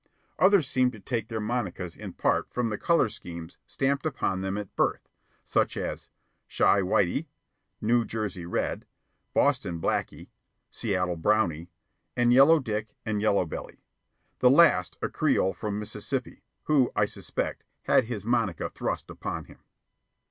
Others seem to take their monicas in part from the color schemes stamped upon them at birth, such as: Chi Whitey, New Jersey Red, Boston Blackey, Seattle Browney, and Yellow Dick and Yellow Belly the last a Creole from Mississippi, who, I suspect, had his monica thrust upon him.